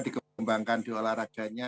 dikembangkan di olahraganya